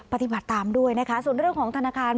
ปฏิบัติตามด้วยนะคะส่วนเรื่องของธนาคาร